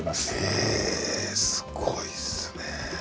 へえすごいっすね。